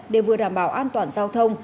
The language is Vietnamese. để vừa đảm bảo an toàn giao thông